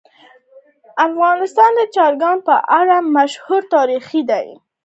افغانستان د چرګان په اړه مشهور تاریخی روایتونه لري.